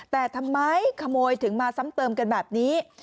แต่ทำไมขโมยถึงมาซ้ำเติมกันแบบนี้